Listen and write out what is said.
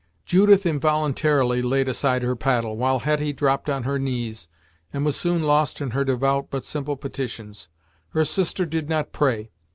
Judith involuntarily laid aside her paddle, while Hetty dropped on her knees, and was soon lost in her devout but simple petitions. Her sister did not pray.